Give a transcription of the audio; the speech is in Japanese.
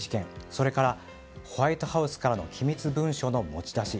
それからホワイトハウスからの機密文書の持ち出し。